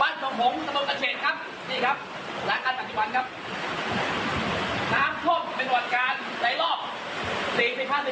ร้านพิธีพลศพภูมิร้านพิธีพลศพภูมิร้านพิธีพลศพภูมิ